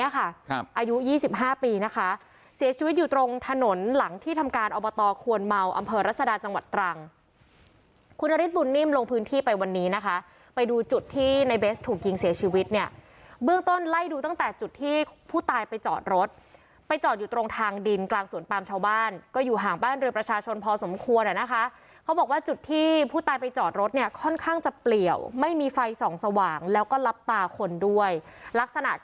คุณนฤทธิ์บุญนิมลงพื้นที่ไปวันนี้นะคะไปดูจุดที่ในเบสถูกยิงเสียชีวิตเนี่ยเบื้องต้นไล่ดูตั้งแต่จุดที่ผู้ตายไปจอดรถไปจอดอยู่ตรงทางดินกลางสวนปามชาวบ้านก็อยู่หางบ้านเรือประชาชนพอสมควรอะนะคะเขาบอกว่าจุดที่ผู้ตายไปจอดรถเนี่ยค่อนข้างจะเปลี่ยวไม่มีไฟสองสว่างแล้วก็ลับตาคนด้วยลักษณะ